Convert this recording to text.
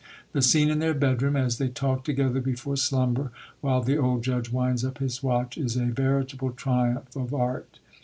The scene in their bedroom, as they talk together before slumber, while the old Judge winds up his watch, is a veritable triumph of Art.